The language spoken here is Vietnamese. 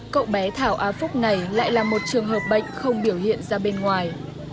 cậu bé thảo a phúc này lại là một trường hợp bệnh không biểu hiện ra bên ngoài